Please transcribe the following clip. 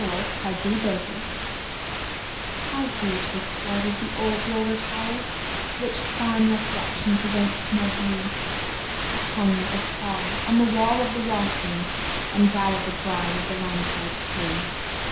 THE OLD ROLLER TOWEL How dear to this heart is the old roller towel Which fond recollection presents to my view. It hung like a pall on the wall of the washroom, And gathered the grime of the linotype crew.